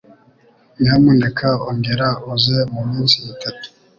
Nyamuneka ongera uze muminsi itatu.